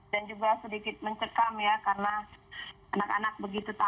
dan juga sedikit mencekam ya karena anak anak begitu takut